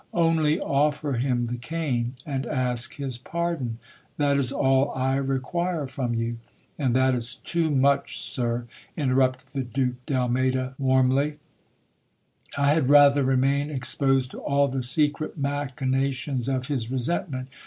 Only offer him the cane, and ask his pardon : that is all I require from you. And that is too much, sir, interrupted the Duke d'Almeyda warmly ; I had rather remain exposed to all the secret machinations of his resentment.